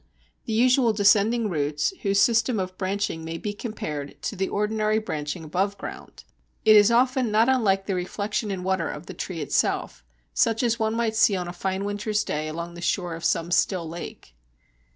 The usual descending roots, whose system of branching may be compared to the ordinary branching above ground. It is often not unlike the reflection in water of the tree itself, such as one might see on a fine winter's day along the shore of some still lake.